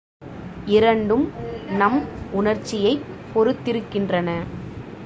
இரண்டும் நம் உணர்ச்சியைப் பொறுத்திருக்கின்றன.